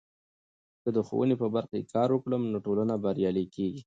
که زه د ښوونې په برخه کې کار وکړم، نو ټولنه بریالۍ کیږي.